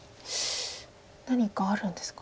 何かあるんですか。